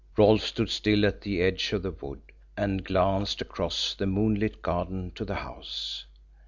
Rolfe stood still at the edge of the wood, and glanced across the moonlit garden to the house.